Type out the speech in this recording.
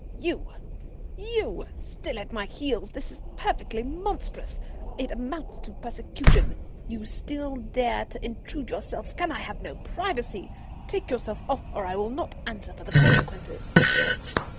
"You! You! Still at my heels? This is perfectly monstrous. It amounts to persecution. You still dare to intrude yourself. Can I have no privacy? Take yourself off, or I will not answer for the consequences."